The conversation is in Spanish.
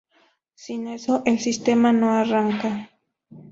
Sin eso, el sistema no arranca.